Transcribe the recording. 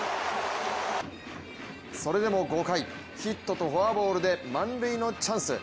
それでも５回、ヒットとフォアボールで満塁のチャンス。